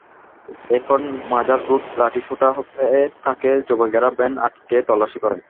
এরপর মাজার রোডে লাঠিসোঁটা হাতে থাকা যুবকেরা ভ্যান আটকে তল্লাশি করেন।